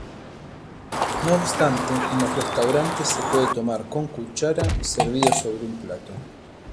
No obstante en los Restaurantes se puede tomar con cuchara servido sobre un plato.